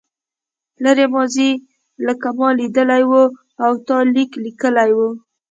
لرې ماضي لکه ما لیدلې وه او تا لیک لیکلی و.